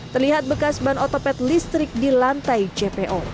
terlihat bekas ban otopet listrik di lantai jpo